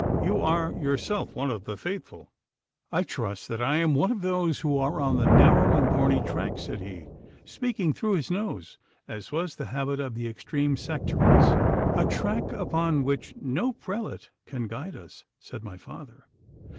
'You are yourself one of the faithful?' 'I trust that I am one of those who are on the narrow and thorny track,' said he, speaking through his nose, as was the habit of the extreme sectaries. 'A track upon which no prelate can guide us,' said my father.